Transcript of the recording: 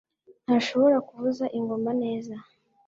ntashobora kuvuza ingoma neza